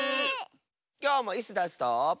きょうもイスダスと。